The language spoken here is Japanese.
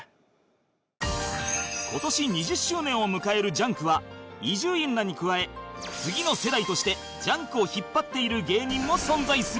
今年２０周年を迎える『ＪＵＮＫ』は伊集院らに加え次の世代として『ＪＵＮＫ』を引っ張っている芸人も存在する